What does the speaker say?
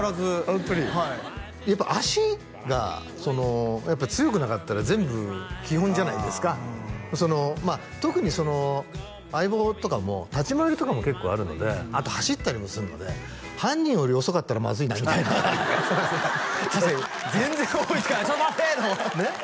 ホントにやっぱ足が強くなかったら全部基本じゃないですか特に「相棒」とかも立ち回りとかも結構あるのであと走ったりもするので犯人より遅かったらまずいなみたいな確かに全然追いつかない「ちょっと待て」とかねっ？